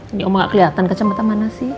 ini oma gak keliatan kecamatan mana sih